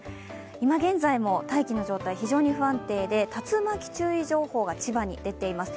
今現在も大気の状態、非常に不安定で竜巻注意情報が千葉に出ています。